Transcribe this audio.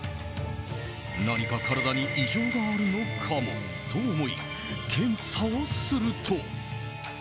何か体に異常があるのかもと思い検査をすると。